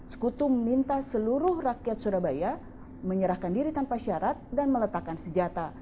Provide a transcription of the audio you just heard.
sekutu meminta seluruh rakyat surabaya menyerahkan diri tanpa syarat dan meletakkan senjata